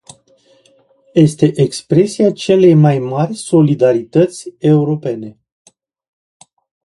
Este expresia celei mai mari solidarități europene.